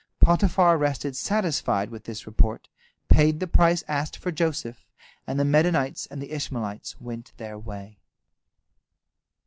Potiphar rested satisfied with this report, paid the price asked for Joseph, and the Medanites and the Ishmaelites went their way.